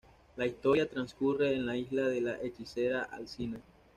La historia transcurre en la isla de la hechicera Alcina.